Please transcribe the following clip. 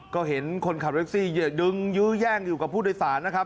ก็เห็นคนขับแท็กซี่ดึงยื้อแย่งอยู่กับผู้โดยสารนะครับ